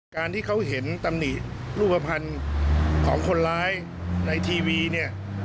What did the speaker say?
การที่เขาเห็นตำหนิรูปภัณฑ์ของคนร้ายในทีวีเนี่ย